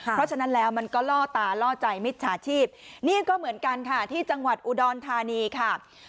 เพราะฉะนั้นแล้วมันก็ล่อตาล่อใจมิจฉาชีพนี่ก็เหมือนกันค่ะที่จังหวัดอุดรธานีค่ะ